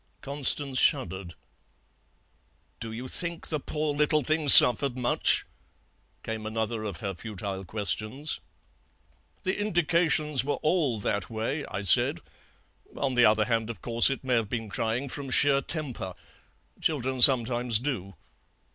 "Constance shuddered. 'Do you think the poor little thing suffered much?' came another of her futile questions. "'The indications were all that way,' I said; 'on the other hand, of course, it may have been crying from sheer temper. Children sometimes do.'